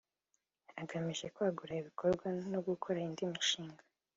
agamije kwagura ibikorwa no gukora indi mishinga